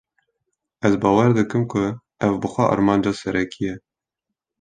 Ez bawer dikim ku ev bi xwe armanca serekî ye